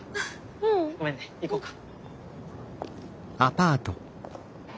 ううん。ごめんね行こうか。